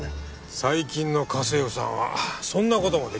最近の家政婦さんはそんな事も出来るのか。